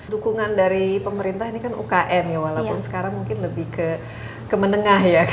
dukungan dari pemerintah ini kan ukm ya walaupun sekarang mungkin lebih ke menengah ya